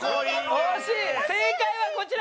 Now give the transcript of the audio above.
正解はこちら。